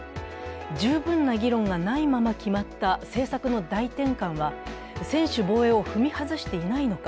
十分な議論がないまま決まった政策の大転換は専守防衛を踏み外していないのか。